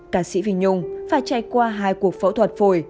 các sĩ phình nhung phải trải qua hai cuộc phẫu thuật phổi